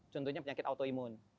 contohnya penyakit autoimun